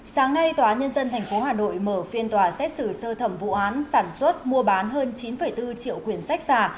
sáng nay tòa nhân dân tp hà nội mở phiên tòa xét xử sơ thẩm vụ án sản xuất mua bán hơn chín bốn triệu quyền sách giả